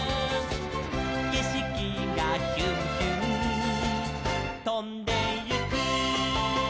「けしきがヒュンヒュンとんでいく」